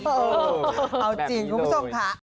เออเอาจริงคุณผู้ชมค่ะ